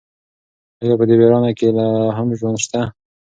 ایا په دې ویرانه کې لا هم ژوند شته؟